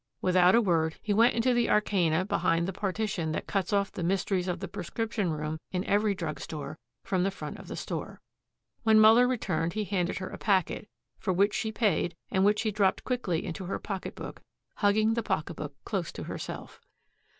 Without a word he went into the arcana behind the partition that cuts off the mysteries of the prescription room in every drug store from the front of the store. When Muller returned he handed her a packet, for which she paid and which she dropped quickly into her pocketbook, hugging the pocketbook close to herself.